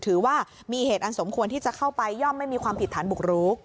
ถือว่ามีเหตุอันสมควรที่จะเข้าไปย่อมไม่มีความผิดฐานบุกรุก